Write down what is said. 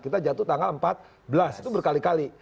tanggal empat belas itu berkali kali